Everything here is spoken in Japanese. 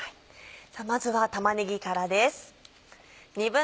さぁまずは玉ねぎからです。